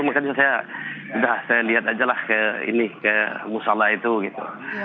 makanya saya lihat aja lah ke ini ke musalah itu gitu